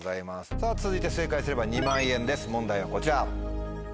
さぁ続いて正解すれば２万円です問題はこちら。